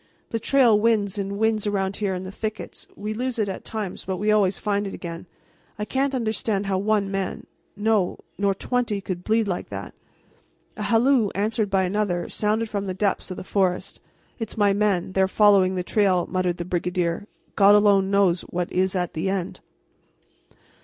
The trail winds and winds about here in the thickets; we lose it at times, but we always find it again. I can't understand how one man no, nor twenty could bleed like that!" A halloo, answered by another, sounded from the depths of the forest. "It's my men; they are following the trail," muttered the brigadier. "God alone knows what is at the end!"